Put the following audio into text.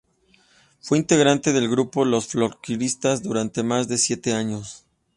Fue integrante del grupo Los Folkloristas durante más de siete años.